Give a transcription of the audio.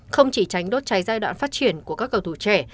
không chỉ tránh đốt cháy giai đoạn phát triển của các cầu thủ trẻ